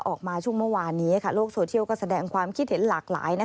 ออกมาช่วงเมื่อวานนี้โลกโซเชียลก็แสดงความคิดเห็นหลากหลาย